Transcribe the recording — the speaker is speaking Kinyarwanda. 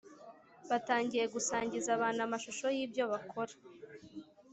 Batangiye gusangiza abantu amashusho y’ibyo bakora